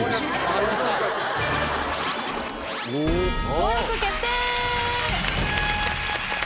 登録決定！